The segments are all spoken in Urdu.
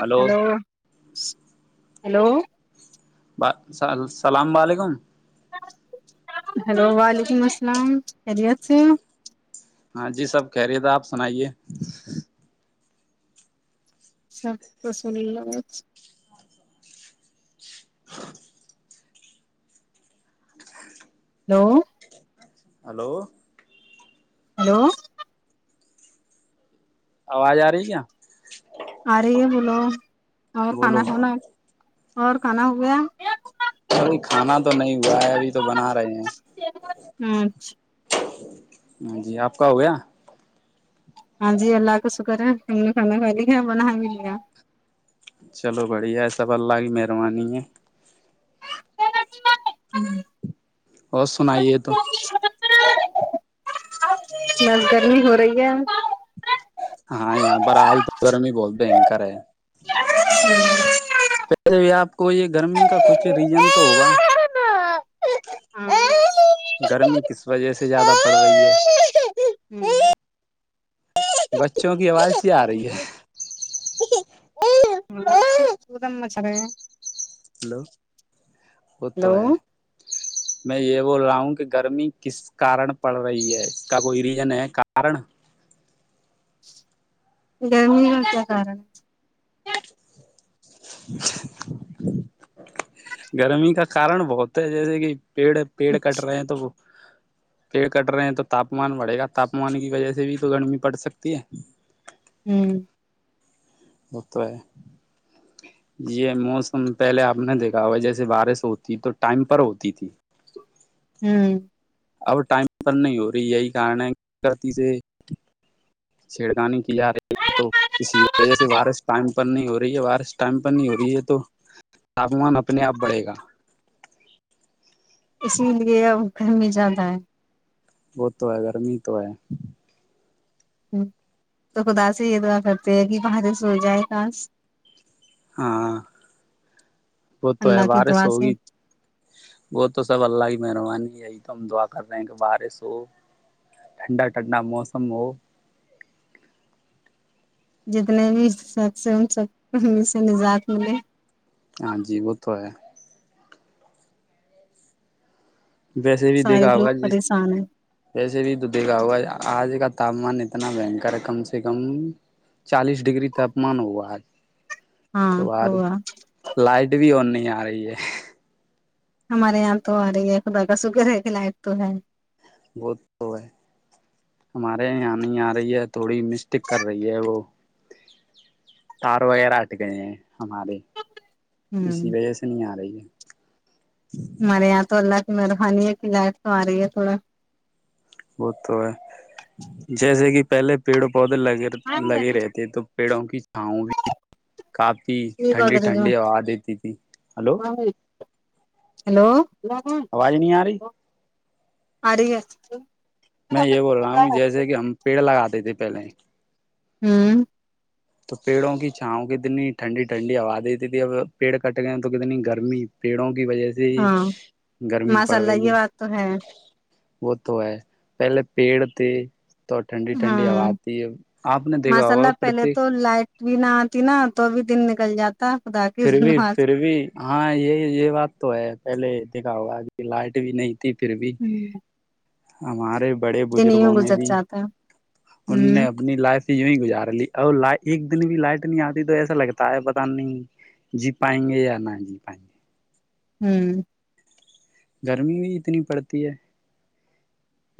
ہلو ہیلو ہلو السلام علیکم ہلو وعلیکم السلام خیریت سے ہاں جی سب کہہ رہی تھا آپ سنائیے سا تو سنی اللہواز ہلو ہلو ہلو آواز آ رہی کیا آ رہے یہ بولو اور بولو کھانا کھانا اور کھانا ہو گیا نہیں کھانا تو نہیں گائے ا بھی تو بنا رہے ہیں اچھا ہاں جی آپ کا ہو گیا ہاں جی اللہ کا شکر ہے ہم نے کھانا کھا د بنا ملیا چلو بڑھیا ای سب اللہ کی مہربانی ہے [inaudible] اورس سنائیے تو نل گرمی ہو رہی ہے ہاں یہاں پر آج تو گرمی بہت بنکر ہے ہوں پہلے بھی آپ کو یہ گرمی کا کچھ ہاں ریزن تو ہوگا گرمی کس وجہ سے زیادہ پڑ رہی ہے ج بچوں کی آواز یہ آ رہی ہے سدم م س رہے ہیں ہلو ہو تو ہے میں یہ بول رہا ہوں کہ گرمی کس کارن پڑ رہی ہے اس کا کوئی ریزن ہے کارن گرمی کا کیا کارن ہے ج [unintelligible] گرمی کا کارن بہت ہے جیسے کہ پیڑ پیڑ کٹ رہے ہیں تو وہ پیڑ کٹ رہے ہیں تو تاپمان بڑھے گا تاپمان کی وجہ سے بھی تو گرمی پڑ سکتی ہے ہوں ہو تو ہے یہ موسم پہلے آپ نے دیکھا ہوا جیسے بارش ہوتی تو ٹائم پر ہوتی تھی ہوں اب ٹائم پر نہیں ہو رہی یہی کارن ہےتی سےاسس چھیڑخانی کی جا رہی ہے تو اسی وجہ سے بارس ٹائم پر نہیں ہو رہی ہے بارس ٹائم پر نہیں ہو رہی ہے تو تاپمان اپنے آپ بڑھے گا اسی لیے وہ گرمی زیادہ ہے وہ تو ہے گرمی تو ہے ہ تو خدا سے یہ دعا کرتے ہے کہ وہاں ج سو جائے خاس ہاں وہ تو ہے اللہ کی باراس دعا سے ہوگی وہ تو سب اللہ ہی مہربانی یہی تو ہم دعا کر رہے ہیں کہ باراس ہو ٹھنڈا ٹھنڈا موسم ہو جتنے بھی سخص ہیں ان سب کو ان میں سے نجات ملے ہاں جی وہ تو ہے ویسے بھی سارے دیکھا لوگ ہوگا ج پریشان ہیں ویسے بھی تو دیکھا ہوگا آج کا تاپمان اتنا بنکر ہے کم سے کم چالیس ڈگری تاپمان ہواج ہاں تو باری ہوگا لائٹ بھی آن نہیں یہ آ رہی ہے ہمارے یہاں تو آ رہی ہے خدا کا سکر ہے لائٹ تو ہے وہ تو ہے ہمارے یہ نہیں آ رہی ہے تھوڑی مسٹیک کر رہی ہے وہ تار وغیرہ ہٹ گئے ہیں ہمارے اسی ہوں وجہ سے نہیں آ رہی ہے ہمارے یہاں تو اللہ مہربانی ہے کی لائت تو آ رہی ہے تھوڑا وہ تو ہے جیسے کہ پہلے پیڑ پودے لگے لگے رہتےے تو پیڑوں کی چھاؤں بھی کافی ٹھنڈی ٹھنڈی ہوا دیتی تھی ہلو ہیلو لم آواز نہیں آ رہی [unintelligible] آ رہی ہے میں یہ بول رہا ہوں کہ جیسے کہ ہم پیڑ لگاتے تھے پلے ہوں تو پیڑوں کی چھاؤ کتنی ٹھنڈی ٹھنڈی ہوا دیتی تھی اب پیڑ کٹ گئے تو کتنی گرمی پیڑوں کی کی وجہ سے ہی ہاں گرمی ماشاء پڑ اللہ یہ رہی ہے بات تو وہ تو ہے پہلے پیڑ تھے تو ٹھنڈی ٹھنڈی ہوا ہاں آتی ہے آپ نے دیکھا ماشاء ہوگا اللہ پہلے پرتییک تو لائٹ بھی نہ آتی نا تو بھی دن نکل جاتا خدا کی پھر بھی دعا سے پھر بھی ہاں یہ یہ بات تو ہے پہلے دیکھا ہوا لائٹ بھی نہیں ت پھر بھی ہوں ہم ہمارے بڑے دن یوں بزرگوں نے گزر بھی جاتا ہے ان نے ہوں اپنی لائف چیزوں ہی گزارلی اور ل ایک دن بھی لائٹ نہیں آتی تو ایسا لگتا ہے پتتا نہیں جی پائیں گے یا نہ جی پائیں گے ہوں گرمی بھی اتنی پڑتی ہے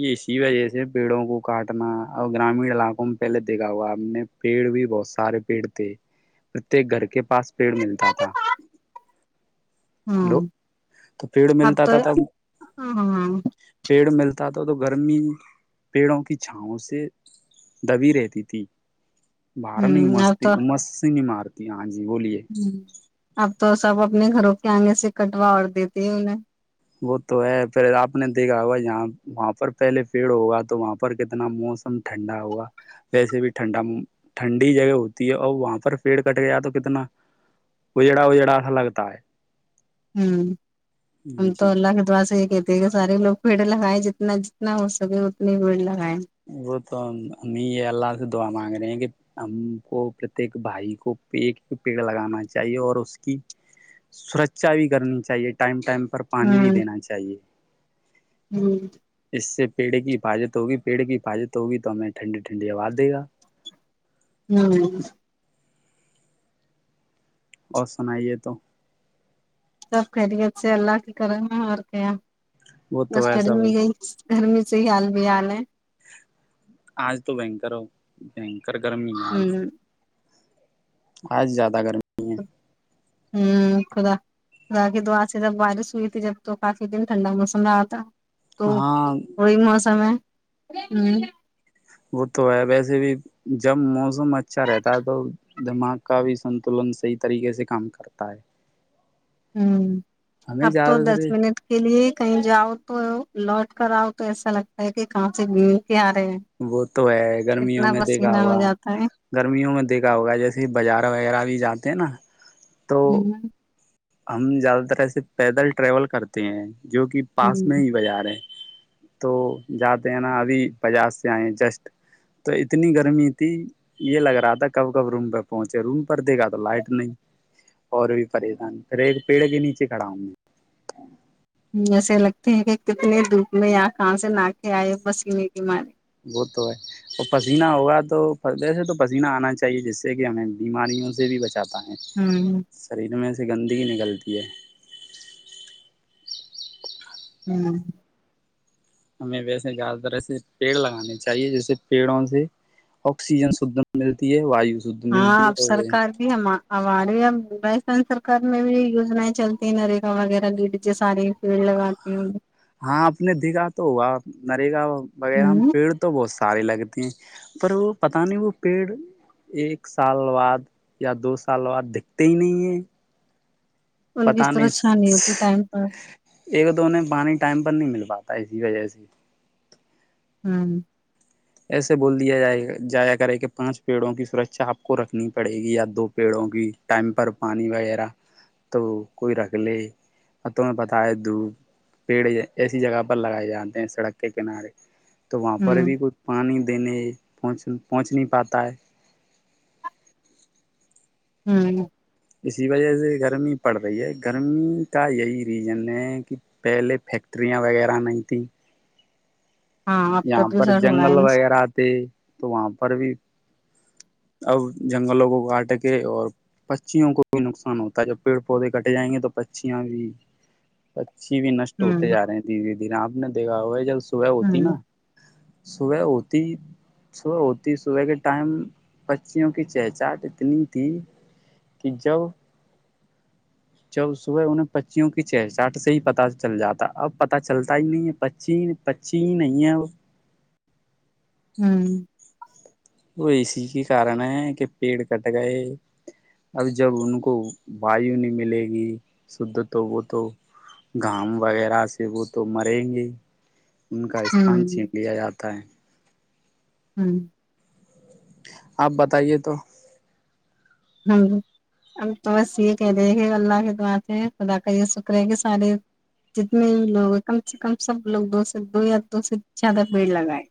یہ اسی وجہ سے پیڑوں کو کاٹنا اور گرامین علاقوں میں پہلے دیکھا ہوا ہم نے پیڑ بھی بہت سارے پیڑ تھے پرتیک گھر کے پاس پیڑ ملتا تھا ہلو ہاں تو پیڑ اب ملتا تو تھا توب ہاں پیڑ ملتا تھا تو گرمی پیڑوں کی چھاؤوں سے دبی رہتی تھی بہارا نہیں ہوں اب مست تو مست نہیں مار تی ہیں ہاں جی بولیے ہوں اب تو سب اپنے گھروں کے آنگے سے کٹوا اور دیتی ہے انہیں [inaudible] وہ تو ہے پھر آپ نے دیکھا ہوگا یہاں وہاں پر پہلے پیڑ ہوگا تو وہاں پر کتنا موسم ٹھنڈا ہوا ویسے بھی ٹھنڈا ٹھنڈی جگہ ہوتی ہے اور وہاں پر پیڑ کٹ گیا تو کتنا اجڑا اجڑا سا لگتا ہے ہمم جی اللہ کی دعا سے یہ [inaudible] سارے لوگ پیڑ لگائے جتنا جتنا ہو سکے اتنے پیڑ لگا وہ تو امی یہ اللہ سے دعا مانگے [inaudible] کہ ہم کو پرتیک بھائی کو پیڑ لگانا چاہیے اور اس کی سرکشا بھی کرنی چاہیے ٹائم ٹائم پانی بھی دینا چاہیے ہمم اس سے پیڑ کی حفاظت ہوگی پیڑ کی حفاظت ہوگی تو ہمیں ٹھنڈی ٹھنڈی ہوا دے گا ہمم اور سنائیے تو سب خیریت سے اللہ کی کرم ہے اور کیا وہ تو بس ایسا کرم ہو بھی گئی [inaudible] گرمی سے ہی حال بےحال ہے آج تو بنکر ہو بک [inaudible] کر گرمی میں آج ہوں آج زیادہ گرمی ہے ہمم خدا خدا کی دعا سے جب بارش ہوئی تھی جب تو کافی دن ٹھنڈا موسم رہا تھا تو ہاں وہی موسم ہے ہمم وہ تو ہے ویسے بھی جب موسم اچھا رہتا ہے تو دماغ کا بھی سنتولن صحیح طریقے سے کام کرتا ہے ہمم ہمیں اب تو زیادہ تر دس منٹ کے لیے کہیں جاؤ تو لوٹ کراؤ تو ایسا لگتا ہے کہ کہاں سے گئے [inaudible] وہ تو ہے گرمیوں میں دیکھا پسینہ ہوگا ہو جاتا ہے گرمیوں میں دیکھا ہوگا جیسے ہی بازار وغیرہ بھی جاتے ہے نا تو ہمم ہم زیادہ تر ایسے پیدل ٹریول کرتے ہیں جو کہ پاس میں ہی بازار ہے تو جاتے ہیں نا ابھی بازار سے آئے جسٹ تو اتنی گرمی تھی یہ لگ رہا تھا کب کب روم پہ پہنچے روم پر دیکھا تو لائٹ نہیں اور بھی پریشانی ایک پیڑ کے نیچے کھڑا ہوں میں جیسے لگتے ہیں کہ کتنے دھوپ میں یا کہاں سے نہاکے آئے پسینے کے مارے وہ تو ہے اور پسینہ ہوگا تو ویسے تو پسینہ آنا چاہیے جس سے کہ ہمیں بیماریوں سے بھی بچ جاتا ہے ہ شریر میں اس سے گندگی نکلتی ہے ہوں ہمیں ویسے زیادہ تر ایے پیڑ لگانے چاہیے جیسے پیڑوں سے آکسیجن شھ ملتی ہے وایو شھ ہاں ملتی اب ہے اور سرکار بھی ہم ہم وائس سرکار میں بھی یجنائیں چلتی ہیں ن رگا وغیرہ ساری فی لگاتی ہاں اپ نے دکھا تو ہوا نریگا وغیرہ میں ہ پیڑ تو بہت ساری لگتی ہیں پر وہ پت نہیں وہ پیڑ ایک سال بعد یا دو سال بعد دکھتے ہی نہیں ہیں ان کی پتا طرح نہیں اچھا ہوتی ٹائم پر ایک د نے پانی ٹائم پ نہیں مل پاتا اسی وجہ سے ہاں ایسے بول دیا جائے جایا کرے کہ پانچ پیڑوں کی سرچا آپ کو رکھنی پڑے گی یا دو پیڑوں کی ٹائم پر پانی وغیرہ تو کوئی رکھ لے تمہیں پتا ہے د پیڑ ایسی جگہ پر لگائے جاتے ہیں سڑک کے کنارے تو وہاں پر ہ بھی کچھ نہیں دینے پہنچ پہنچ نہیں پاتا ہے ہوں اسی وجہ سے گرمی پڑ رہی ہے گرمی کا یہی ریزن ہے کہ پہلے فیکٹریاں وغیرہ نہیں تھیں ہاں اب یہاں پر پردوشن ہو رہا جنگل ہے وغیرہ تھ تو وہاں پر بھی اب جنگلوں کو کاٹ کے اور پچیوں کو بھی نقصان ہوتا ہے جب پیڑ پودے کٹے جائیں گے تو پچیاں بھی چی بھی نشٹ ہوتے جا ہ رہے ہیں دھیرے دھیرے آپ د گا ہوا ج صبح ہوتی ہ نا صبح ہوتی صبح ہوتی صبح کے ٹائم بچیوں کی چہچاہٹ اتنی تھی کہ جب چب صبح انہیں پچیوں کی چہٹچاٹ سے ہی پتا چل جاتا اب پتا چلتا ہی نہیں ہے پچی پچی ہی نہیں ہے وہ ہوں وہ اسی کے کارن ہے کہ پیڑ کٹ گئے اب جب ان کو وایو نہیں ملے گی شھ تو وہ تو گام وغیرہ سے وہ تو مریں گے انکا استھان ہوں چین لیا جاتا تائیں ہوں آپ بتائیے تو ہ ہمب تو بس یہ کہہ رہے کہ اللہ کی توعات ہے خدا کا یہ شکر ہے کہ سارے جتنے بھی لوگ ہیں کم سے کم سب لوگ دو سے دو یا دو سے زیادہ پیڑ لگائے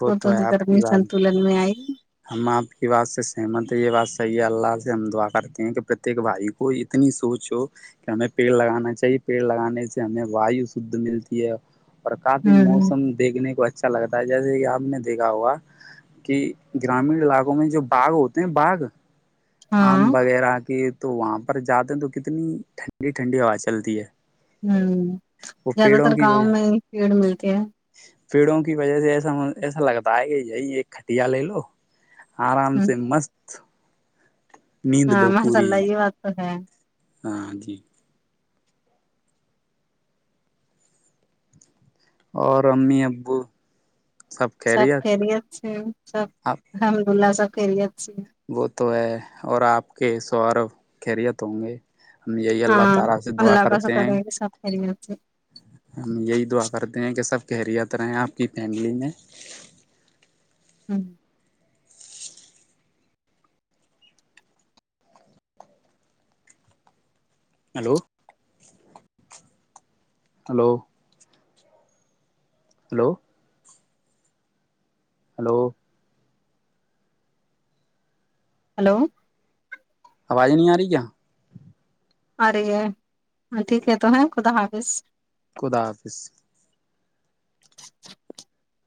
وہ تو ہے تو آپ گرمی کی بات سنتولن میں آئے گی ہم آپ کی بات سے سہمت ہے یہ بات صحیح ہے اللہ سے ہم دعا کرتے ہیں کہ پرتیک بھائی کو اتنی سوچ ہو کہ ہمیں پیڑ لگانا چاہیے پیڑ لگانے سے ہمیں وایو شھ ملتی ہے اور کافی ہوں موسم دیکھنے کو اچھا لگتا ہے جیسے کہ آپ ہم نے دیکھا ہوا کہ گرامین علاقوں میں جو باغ ہوتے ہیں باغ ہاں آم وغیرہ کی تو وہ پر جاتے ہیں تو کتنی ٹھنڈی ٹھنڈی ہوا چلتی ہے ہ وہ زیادہ تر پیڑوں کی گاؤں وجہ میں ہی پیڑ ملتا کیا پیڑوں کی وجہ سے ایسا ایسا لگتا ہے کہ یہی ایک کھٹیا لے لو آرام ہ سے مست اچ سا ہاں مس اللہ یہ بات تو ہے ہاں جی اور امی ابو سب کہرییا اچھا سب آپ الحمد للہ سب کری وہ تو ہے اور آپ کے سورب خریت ہوں گے ہم یہی اللہ تعالی سے دعا کرتے ہیں پری مر سے ہم یہی دعا کرتے ہیں کہ سب کیریت رہے آپ کی فیملی میں ہوں hello hello hello hello hello آواز نہیں آ رہی ہے ا رہے ہے ہ ٹھیک ہے تو ہے خدا حافظ خدا حافظ [unintelligible]